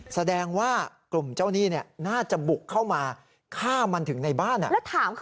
แสดงว่ากลุ่มเจ้าหนี้น่าจะบุกเข้ามาฆ่ามันถึงในบ้าน